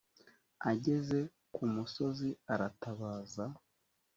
ageze ku musozi aratabaza